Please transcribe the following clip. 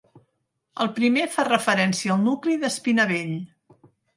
El primer fa referència al nucli d'Espinavell.